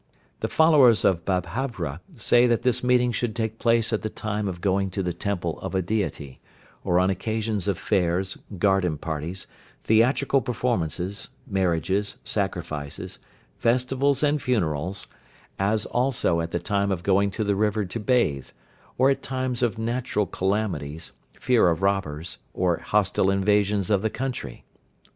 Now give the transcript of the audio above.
The followers of Babhravya say that this meeting should take place at the time of going to the temple of a Deity, or on occasions of fairs, garden parties, theatrical performances, marriages, sacrifices, festivals and funerals, as also at the time of going to the river to bathe, or at times of natural calamities, fear of robbers or hostile invasions of the country.